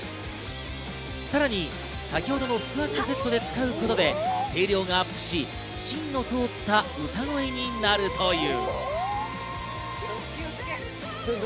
さらに先ほどの腹圧とセットで使うことで声量がアップし、芯の通った歌声になるという。